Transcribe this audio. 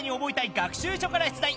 学習書から出題。